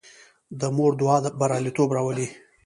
د مور دعا بریالیتوب راولي.